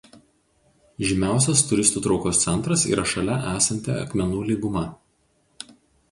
Žymiausias turistų traukos centras yra šalia esanti Akmenų lyguma.